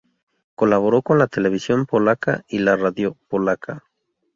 Colaboró con la televisión polaca y la radio polaca.